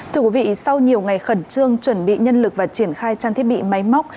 thưa quý vị sau nhiều ngày khẩn trương chuẩn bị nhân lực và triển khai trang thiết bị máy móc